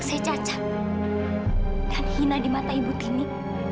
saya cacat dan hina di mata ibu tini